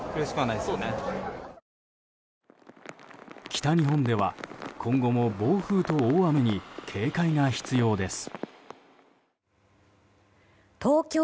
北日本では今後も暴風と大雨に警戒が必要です。